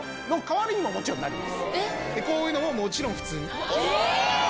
こういうのももちろん普通に。